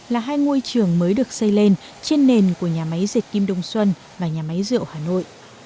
là hai ngôi trường mới được xây lên trên nền của nhà máy dệt kim đông xuân và nhà máy rượu hà nội